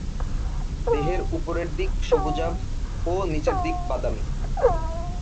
দেহের উপরের দিক সবুজাভ ও নিচের দিক বাদামী।